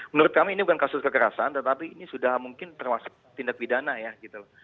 menurut kami ini bukan kasus kekerasan tetapi ini sudah mungkin termasuk tindak pidana ya gitu loh